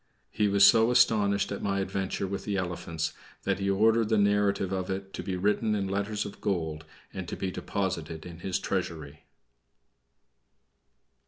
He was so astonished at my adventure with the elephants that he ordered the narrative of it to be written in letters of gold and to be deposited in his treasury.